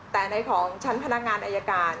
แต่ในของชั้นพนักงานอายการ